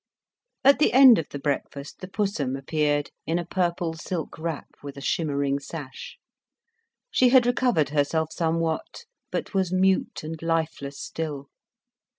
At the end of the breakfast the Pussum appeared, in a purple silk wrap with a shimmering sash. She had recovered herself somewhat, but was mute and lifeless still.